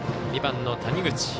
２番の谷口。